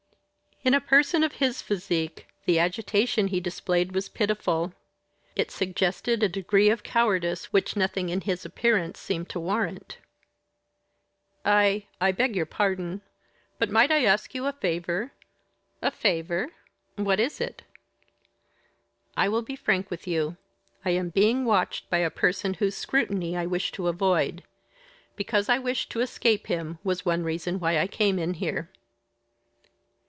In a person of his physique the agitation he displayed was pitiful. It suggested a degree of cowardice which nothing in his appearance seemed to warrant. "I I beg your pardon but might I ask you a favour?" "A favour? What is it?" "I will be frank with you. I am being watched by a person whose scrutiny I wish to avoid. Because I wished to escape him was one reason why I came in here."